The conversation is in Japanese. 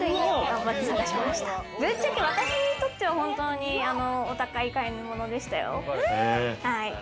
ぶっちゃけ私にとっては本当にお高い買い物でしたよ。